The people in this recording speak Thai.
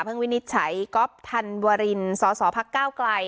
เพิ่งวินิจฉัยก็ธันวรินศศพักเก้าไกล